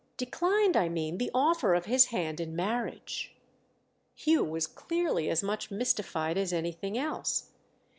Declined, I mean, the offer of his hand in marriage." Hugh was clearly as much mystified as anything else.